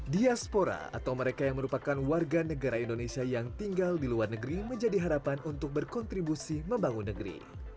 diaspora atau mereka yang merupakan warga negara indonesia yang tinggal di luar negeri menjadi harapan untuk berkontribusi membangun negeri